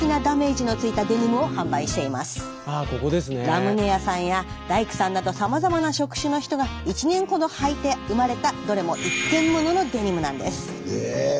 ラムネ屋さんや大工さんなどさまざまな職種の人が１年ほどはいて生まれたどれも１点モノのデニムなんです。え。